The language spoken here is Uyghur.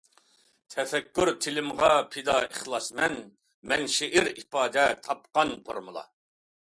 تەپەككۇر، تىلىمغا پىدا ئىخلاسمەن، مەن-شېئىر ئىپادە تاپقان فورمۇلا.